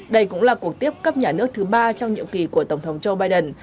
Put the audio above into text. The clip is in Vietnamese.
đây cũng là cuộc tiếp cấp nhà nước thứ ba trong nhiệm kỳ của tổng thống joe biden